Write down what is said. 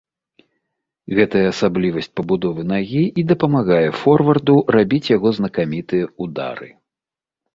Гэтая асаблівасць пабудовы нагі і дапамагае форварду рабіць яго знакамітыя ўдары.